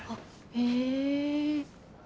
へえ。